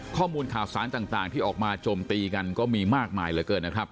ข้อมูลข่าวสารต่างที่ออกมาโจมตีกันก็มีมากมายเหลือเกินนะครับ